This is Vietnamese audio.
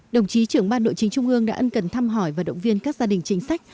đồng chí trưởng ban nội chính trung ương đã ân cần thăm hỏi và động viên các gia đình chính sách